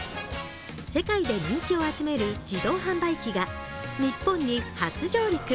世界で人気を集める自動販売機が日本に初上陸。